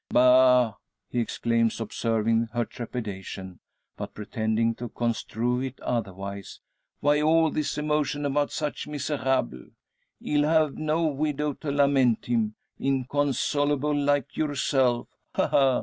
"Bah!" he exclaims, observing her trepidation, but pretending to construe it otherwise. "Why all this emotion about such a miserable? He'll have no widow to lament him inconsolable like yourself. Ha! ha!